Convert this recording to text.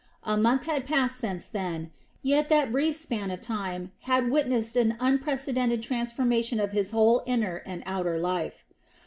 A month had passed since then, yet that brief span of time had witnessed an unprecedented transformation of his whole inner and outward life.